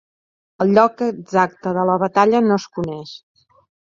El lloc exacte de la batalla no es coneix.